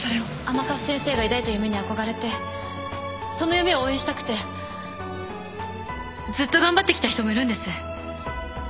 甘春先生が抱いた夢に憧れてその夢を応援したくてずっと頑張ってきた人もいるんです。